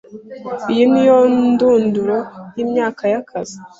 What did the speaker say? Iyi niyo ndunduro yimyaka yakazi.